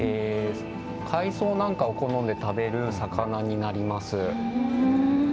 海藻なんかを好んで食べる魚になります。